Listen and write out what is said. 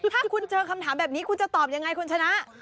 ถ้าคุณเจอคำถามแบบนี้คุณจะตอบยังไงคุณชนะ